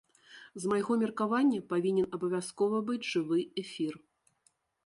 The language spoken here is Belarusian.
З майго меркавання, павінен абавязкова быць жывы эфір.